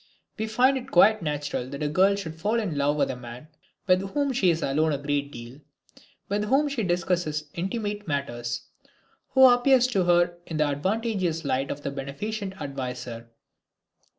We find it quite natural that a girl should fall in love with a man with whom she is alone a great deal, with whom she discusses intimate matters, who appears to her in the advantageous light of a beneficent adviser.